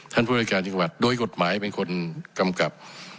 ผู้ราชการจังหวัดโดยกฎหมายเป็นคนกำกับ